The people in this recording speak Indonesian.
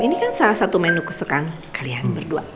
ini kan salah satu menu kesukaan kalian berdua